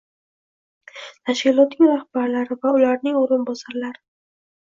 tashkilotlarning rahbarlari va ularning o‘rinbosarlari